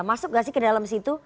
masuk gak sih ke dalam situ